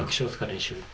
練習。